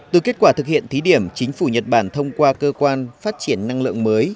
từ kết quả thực hiện thí điểm chính phủ nhật bản thông qua cơ quan phát triển năng lượng mới